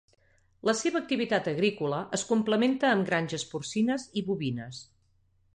La seva activitat agrícola es complementa amb granges porcines i bovines.